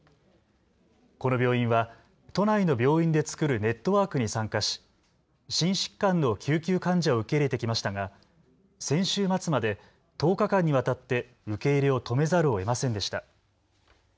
この病院は都内の病院で作るネットワークに参加し心疾患の救急患者を受け入れてきましたが先週末まで１０日間にわたって受け入れを止めざるをえませんでした。